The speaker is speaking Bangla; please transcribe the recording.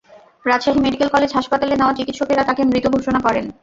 রাজশাহী মেডিকেল কলেজ হাসপাতালে নেওয়া হলে চিকিৎসকেরা তাঁকে মৃত ঘোষণা করেন।